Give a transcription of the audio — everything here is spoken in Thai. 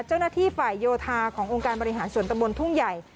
เจ้าหน้าที่ฝ่ายโยธาขององค์การบริหารส่วนตะบนทุ่งใหญ่